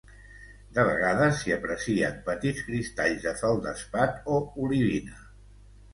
De vegades s'hi aprecien petits cristalls de feldespat o olivina.